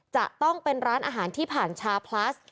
จะต้องเป็นร้านอาหารที่ผ่านชาพลัส